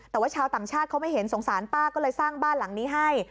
แต่ว่าชาวต่างชาติเขาไม่เห็นสงสารป้าก็เลยสร้างบ้านหลังนี้ให้